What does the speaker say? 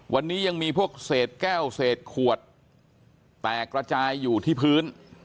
วันนี้ยังมีพวกเศษแก้วเศษขวดแตกระจายอยู่ที่พื้น